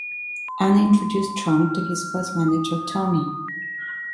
Anna introduced Cheung to his first manager, Tony.